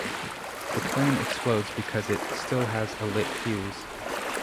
The plane explodes because it still had a lit fuse.